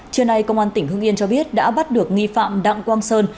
trưa nay công an tỉnh hưng yên cho biết đã bắt được nghi phạm đặng quang sơn